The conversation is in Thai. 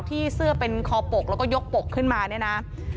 ที่เสื้อเป็นคอปกแล้วก็ยกปกขึ้นมาเนี่ยนะ